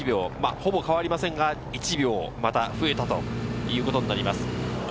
ほぼ変わりませんが、１秒また増えたということになります。